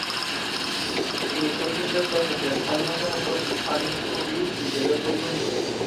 তিনি চল্লিশের দশকের অন্যতম প্রধান আধুনিক কবি হিসেবে পরিগণিত।